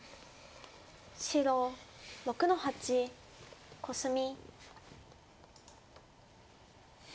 白６の八コスミ。